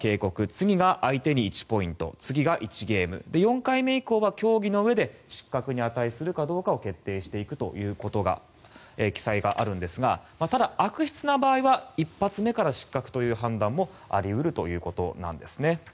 次が相手に１ポイント次が１ゲーム４回目以降は、協議のうえで失格に値するかどうか決定していくということが記載があるんですがただ、悪質な場合は１発目から失格という判断もあり得るということなんですね。